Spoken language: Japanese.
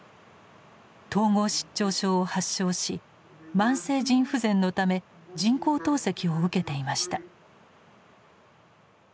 統合失調症を発症し慢性腎不全のため人工透析を受けていました。